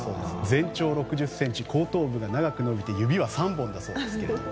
全長６０ｃｍ後頭部が長く伸びて指は３本だそうですけれども。